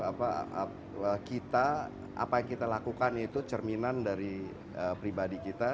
apa kita apa yang kita lakukan itu cerminan dari pribadi kita